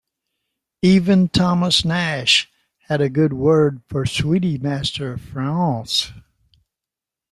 Even Thomas Nashe had a good word for "sweete Master Fraunce".